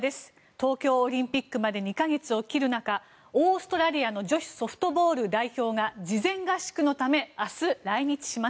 東京オリンピックまで２か月を切る中オーストラリアの女子ソフトボール代表が事前合宿のため明日、来日します。